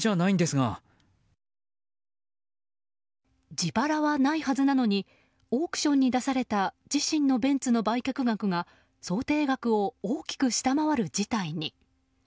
自腹はないはずなのにオークションに出された自身のベンツの売却額が想定額を大きく下回る事態に。